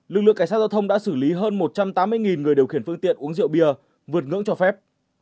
lực lượng cảnh sát giao thông đã xử lý hơn một trăm tám mươi người điều khiển phương tiện uống rượu bia vượt ngưỡng cho phép